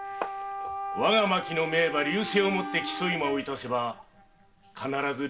我が牧の名馬「流星」をもって競い馬を致せば必ず「流星」が勝ちまする。